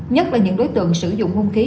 nhất là những đối tượng sử dụng hung khí